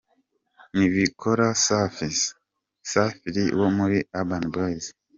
Niyibikora Safi: Safi Lee wo muri Urban Boyz.